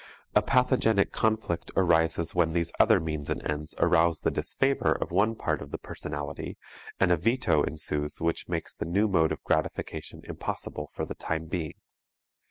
A pathogenic conflict arises when these other means and ends arouse the disfavor of one part of the personality, and a veto ensues which makes the new mode of gratification impossible for the time being.